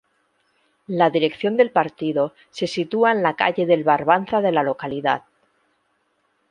La dirección del partido se sitúa en la Calle del Barbanza de la localidad.